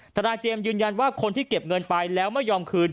ทนายเจมส์ยืนยันว่าคนที่เก็บเงินไปแล้วไม่ยอมคืน